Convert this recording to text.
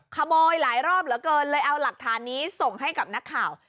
ขโมยหลายรอบเหลือเกินเลยเอาหลักฐานนี้ส่งให้กับนักข่าว